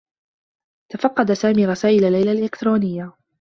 تفقّد سامي رسائل ليلى الإلكترونية.